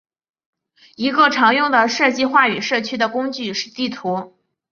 一个常用的设计话语社区的工具是地图。